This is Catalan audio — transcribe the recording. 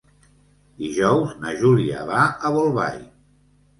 Dijous na Júlia va a Bolbait.